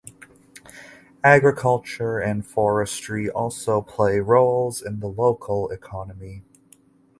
Agriculture and forestry also play roles in the local economy.